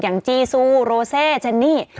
อย่างจีซูโรเซแจนนี่